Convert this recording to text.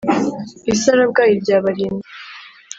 i sarabwayi rya barinda,